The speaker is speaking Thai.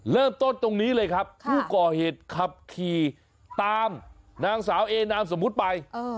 เริ่มต้นตรงนี้เลยครับผู้ก่อเหตุขับขี่ตามนางสาวเอนามสมมุติไป